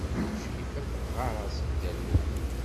Crifa teɣɣar-as Dda Lmulud.